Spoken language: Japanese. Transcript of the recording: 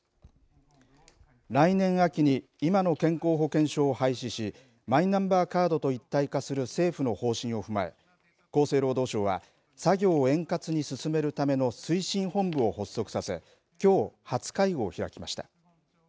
来年秋に今の健康保険証を廃止しマイナンバーカードと一体化する政府の方針を踏まえ厚生労働省は作業を円滑に進めるための推進本部を発足させきょう、初会合を開きました。